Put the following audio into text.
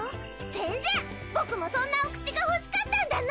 全然僕もそんなお口が欲しかったんだな。